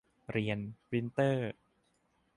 เรียน ปรินท์เตอร์